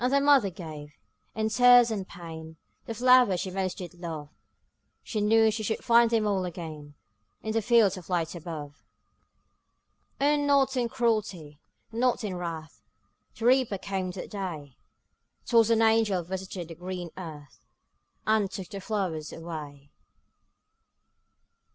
And the mother gave, in tears and pain, The flowers she most did love; She knew she should find them all again In the fields of light above. O, not in cruelty, not in wrath, The Reaper came that day; 'Twas an angel visited the green earth, And took the flowers away.